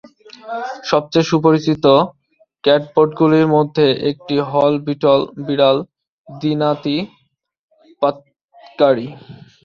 সবচেয়ে সুপরিচিত ক্যাটবোটগুলির মধ্যে একটি হল বিটল বিড়াল দিনাতিপাতকারী।